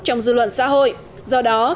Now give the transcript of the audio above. trong dư luận xã hội do đó